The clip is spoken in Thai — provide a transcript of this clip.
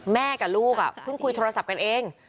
แม่กับลูกเพิ่งคุยโทรศัพท์กันเอง